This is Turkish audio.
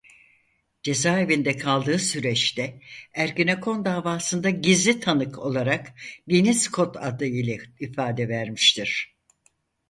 Cezaevinde kaldığı süreçte Ergenekon Davası'nda gizli tanık olarak "Deniz" kod adı ile ifade vermiştir.